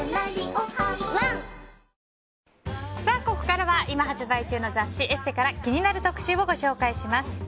ここからは今発売中の雑誌「ＥＳＳＥ」から気になる特集をご紹介します。